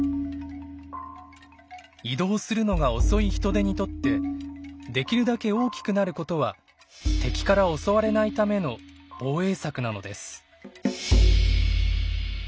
移動するのが遅いヒトデにとってできるだけ大きくなることは敵から襲われないための防衛策なのです。